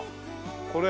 これ。